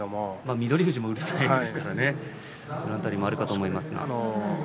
翠富士もうるさいですからその辺りもあるかもしれませんが。